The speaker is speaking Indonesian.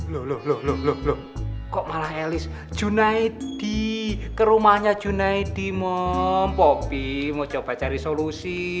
loh loh loh loh kok malah elis junaidy ke rumahnya junaidy mom poppy mau coba cari solusi